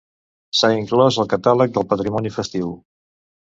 S'ha inclòs al Catàleg del Patrimoni Festiu.